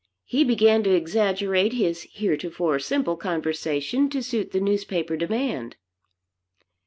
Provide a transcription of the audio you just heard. He began to exaggerate his heretofore simple conversation to suit the newspaper demand.